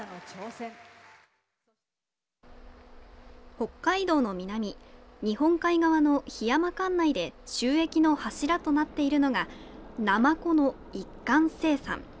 北海道の南日本海側の檜山管内で収益の柱となっているのがナマコの一貫生産。